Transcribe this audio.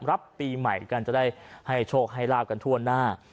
รับปีใหม่กันจะได้ให้โชคให้ลาบกันทั่วหน้า